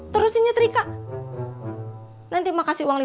terusin nyetrika nanti mak kasih uang lima ribu